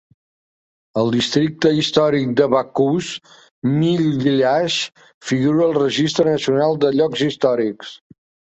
El districte històric de Vaucluse Mill Village figura al Registre Nacional de Llocs Històrics.